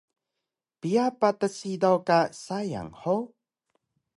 Piya patas hidaw ka sayang hug?